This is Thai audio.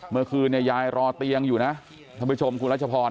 เมื่อคืนเนี่ยยายรอเตียงอยู่นะท่านผู้ชมคุณรัชพร